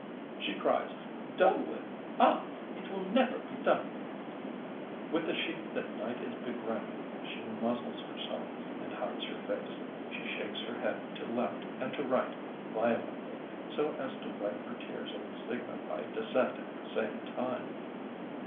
She cries: "Done with? Ah! it will never be done with!" With the sheet that night is begriming she muzzles herself, and hides her face. She shakes her head to left and to right, violently, so as to wipe her eyes and signify dissent at the same time.